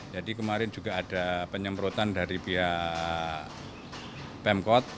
jadi kemarin juga ada penyemprotan dari biaya pemkot